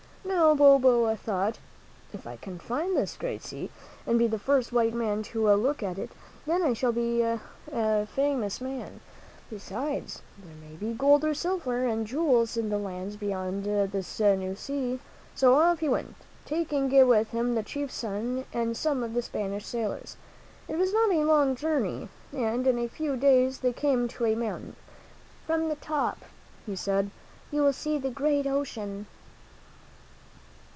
Now, Balboa thought, " If I can find this great sea and be the first white man to look at it, then I shall be a famous man. Besides, there may be gold and silver and jewels in the lands beyond this new sea." So off he went, taking with him the chief's son and some of the Spanish sailors. It was not a long journey, and in a few days they came to a mountain. This the Indian told Balboa to climb. " From the top," he said, "you will see the great ocean."